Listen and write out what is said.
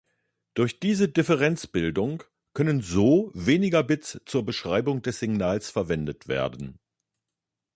Durch diese Differenzbildung können so weniger Bits zur Beschreibung des Signals verwendet werden.